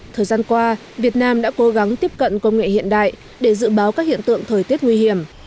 thời gian qua việt nam đã cố gắng tiếp cận công nghệ hiện đại để dự báo các hiện tượng thời tiết nguy hiểm